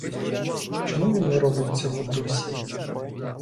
Чому він не робить цього досі?